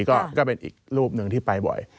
ก็เป็นอีกรูปหนึ่งที่ไปบ่อย